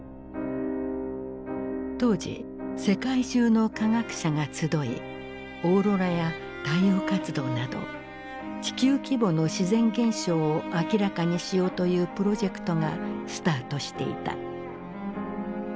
当時世界中の科学者が集いオーロラや太陽活動など地球規模の自然現象を明らかにしようというプロジェクトがスタートしていた。